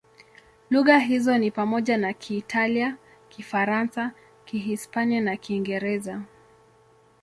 Lugha hizo ni pamoja na Kiitalia, Kifaransa, Kihispania na Kiingereza.